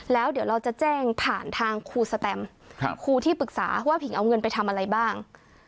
แล้วเดี๋ยวเราจะแจ้งผ่านทางครูสแตมครูที่ปรึกษาว่าผิงเอาเงินไปทำอะไรบ้าง